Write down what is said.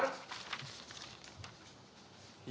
dan menghukumkan kemampuan haris azhar